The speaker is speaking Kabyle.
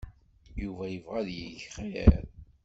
Yuba yebɣa ad yeg xir.